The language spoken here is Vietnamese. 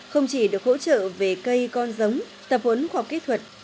không chỉ được hỗ trợ về cây con giống tập huấn khoa học kỹ thuật